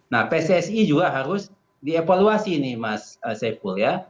nah pcsi juga harus dievaluasi nih mas hevole ya